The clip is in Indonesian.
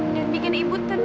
dan bikin ibu tenang